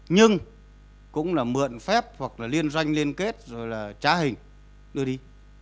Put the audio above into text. nhưng cũng là mượn phép hoặc liên doanh liên kết rồi là trả hình đưa đi